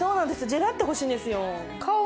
ジェラってほしいんですよ。